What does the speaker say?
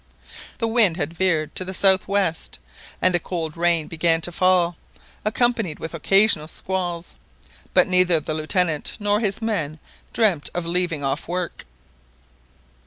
The wind had veered to the south west, and a cold rain began to fall, accompanied with occasional squalls; but neither the Lieutenant nor his men dreamt of leaving off work.